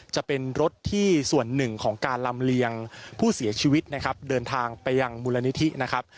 จะเป็นรถที่ส่วนหนึ่งของการลำเลียงผู้เสียชีวิตนะครับเดินทางไปยังมูลนิธินะครับ